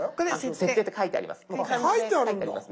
「設定」って書いてあります。